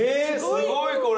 すごいこれ！